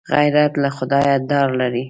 غیرت له خدایه ډار لري